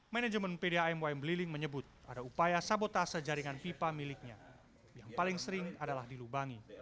manajemen pdam ym beliling menyebut ada upaya sabotase jaringan pipa miliknya yang paling sering adalah dilubangi